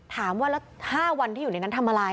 ถามว่าแล้ว๕วันที่อยู่ในนั้นทำอะไร